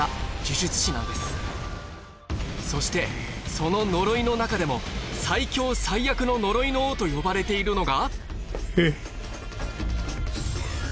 その呪いの中でも最強最悪の呪いの王と呼ばれているのがふっ。